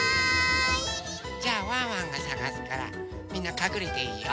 じゃあワンワンがさがすからみんなかくれていいよ。